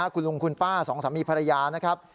คุณลุงคุณป้าสองสามีภรรยานะครับ